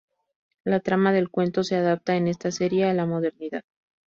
La trama del cuento se adapta en esta serie a la modernidad.